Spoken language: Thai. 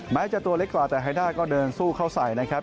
แม้จะตัวเล็กกว่าแต่ไฮด้าก็เดินสู้เข้าใส่นะครับ